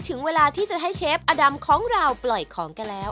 ถึงเวลาที่จะให้เชฟอดำของเราปล่อยของกันแล้ว